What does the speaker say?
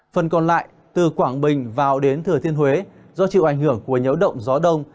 phần còn lại từ quảng bình vào đến thừa thiên huế do chịu ảnh hưởng của nhiễu động gió đông